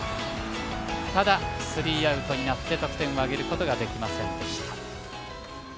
ただ、スリーアウトになって得点は挙げることができませんでした。